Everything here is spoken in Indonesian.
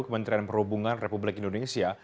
kementerian perhubungan republik indonesia